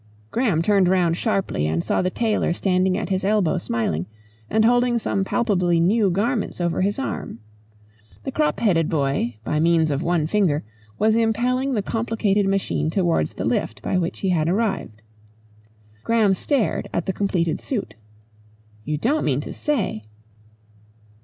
Graham turned round sharply and saw the tailor standing at his elbow smiling, and holding some palpably new garments over his arm. The crop headed boy, by means of one ringer, was impelling the complicated machine towards the lift by which he had arrived. Graham stared at the completed suit. "You don't mean to say